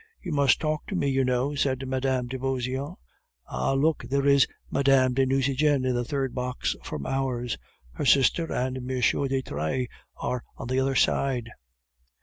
"You must talk to me, you know," said Mme. de Beauseant. "Ah! look! There is Mme. de Nucingen in the third box from ours. Her sister and M. de Trailles are on the other side."